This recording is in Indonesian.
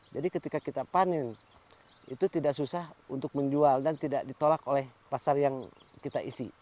jadi ketika kita panen itu tidak susah untuk menjual dan tidak ditolak oleh pasar yang kita isi